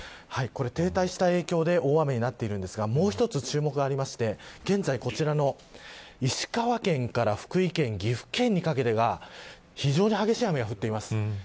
停滞した影響で大雨になっているんですがもう１つ注目がありまして現在、石川県から岐阜県福井県にかけてが非常に激しい雨が降っています。